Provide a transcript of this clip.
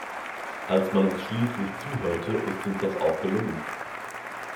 Als man uns schließlich zuhörte, ist uns das auch gelungen.